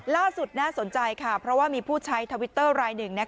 ล่าสุดน่าสนใจค่ะเพราะว่ามีผู้ใช้ทวิตเตอร์รายหนึ่ง